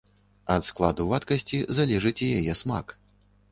Ад складу вадкасці залежыць і яе смак.